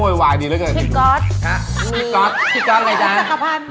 เหนื่อย